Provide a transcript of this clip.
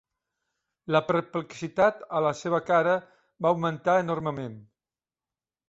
La perplexitat a la seva cara va augmentar enormement.